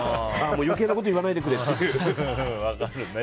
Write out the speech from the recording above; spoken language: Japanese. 余計なこと言わないでくれと。